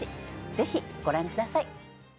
ぜひご覧ください。